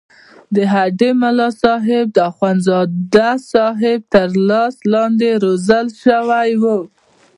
د هډې ملاصاحب د اخوندصاحب تر لاس لاندې روزل شوی وو.